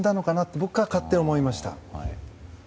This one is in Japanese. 僕は勝手に思いました。